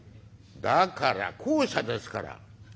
「だから公社ですから。